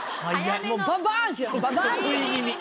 もうバンバンってきた！